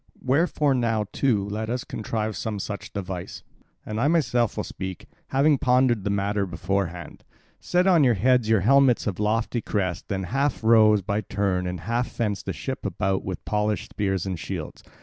Wherefore now too let us contrive some such device, and I myself will speak, having pondered the matter beforehand. Set on your heads your helmets of lofty crest, then half row by turns, and half fence the ship about with polished spears and shields.